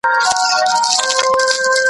دوه یاران سره ملګري له کلونو